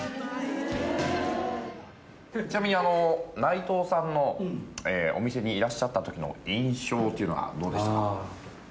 ちなみに内藤さんのお店にいらっしゃった時の印象というのはどうでしたか？